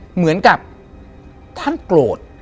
เหมือนกับท่านโกรธ